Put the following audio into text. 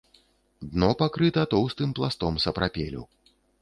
Дно пакрыта тоўстым пластом сапрапелю.